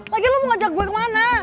lagi lo mau ngajak gue kemana